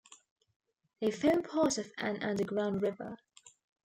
They form part of an underground river.